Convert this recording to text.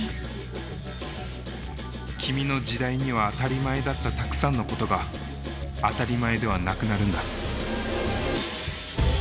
君の時代には当たり前だったたくさんのことが当たり前ではなくなるんだ。